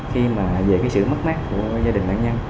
khi mà về cái sự mất mát của gia đình nạn nhân